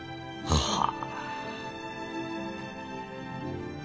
はあ。